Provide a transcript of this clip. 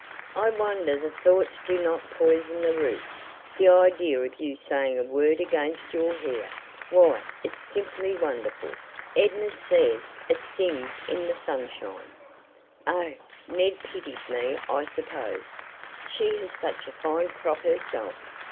"I wonder the thoughts do not poison the roots the idea of you saying a word against your hair! Why, it's simply wonderful! Edna says it sings in the sunshine." "Oh, Ned pities me I suppose she has such a fine crop herself.